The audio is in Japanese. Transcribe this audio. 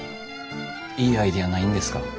いいアイデアないんですか？